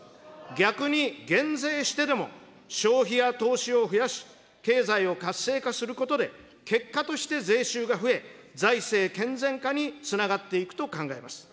逆に減税してでも、消費や投資を増やし、経済を活性化することで、結果として税収が増え、財政健全化につながっていくと考えます。